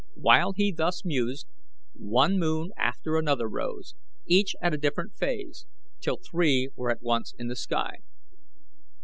While he thus mused, one moon after another rose, each at a different phase, till three were at once in the sky.